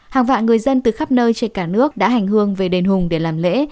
hàng vạn người dân từ khắp nơi trên cả nước đã hành hương về đền hùng để làm lễ